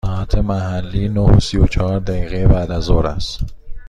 ساعت محلی نه و سی و چهار دقیقه بعد از ظهر است.